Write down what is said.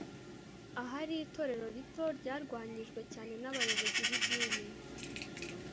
ahari itorero rito ryarwanyijwe cyane n abayobozi b idini